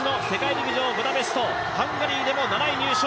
陸上ブダペストハンガリーでも７位入賞。